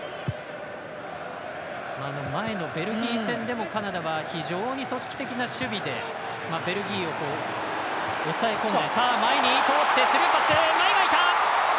前のベルギー戦でもカナダは非常に組織的な守備でベルギーを抑え込んで。